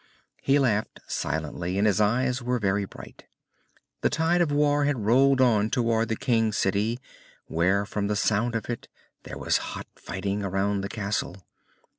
_ He laughed, silently, and his eyes were very bright. The tide of war had rolled on toward the King City, where from the sound of it there was hot fighting around the castle.